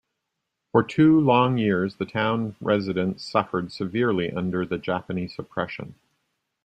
For two long years, the town residents suffered severely under the Japanese oppression.